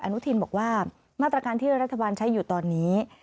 อนุทินบอกว่ามาตรการที่รัฐบาลใช้อยู่ตอนนี้